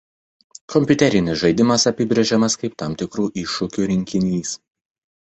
Kompiuterinis žaidimas apibrėžiamas kaip tam tikrų iššūkių rinkinys.